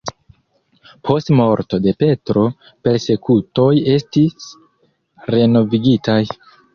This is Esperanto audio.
Post morto de Petro persekutoj estis renovigitaj.